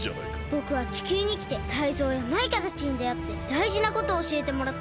ぼくは地球にきてタイゾウやマイカたちにであってだいじなことをおしえてもらったんです。